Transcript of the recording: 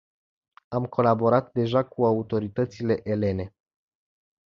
Am colaborat deja cu autoritățile elene.